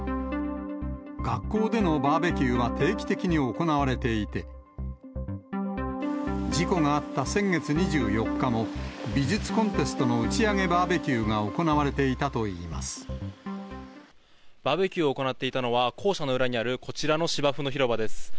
学校でのバーベキューは定期的に行われていて、事故があった先月２４日も、美術コンテストの打ち上げバーベキューが行われていたバーベキューを行っていたのは、校舎の裏にあるこちらの芝生の広場です。